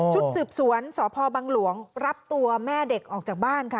ชุดสืบสวนสพบังหลวงรับตัวแม่เด็กออกจากบ้านค่ะ